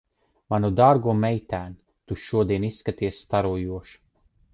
Manu dārgo meitēn, tu šodien izskaties starojoša.